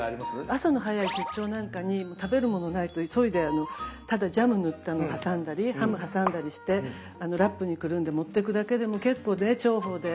朝の早い出張なんかに食べるものないと急いでただジャム塗ったのを挟んだりハム挟んだりしてラップにくるんで持ってくだけでも結構ね重宝で。